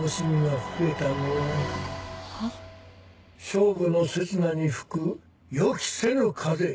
勝負の刹那に吹く予期せぬ風。